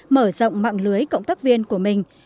mở rộng mạng lưới cộng tác viên của mình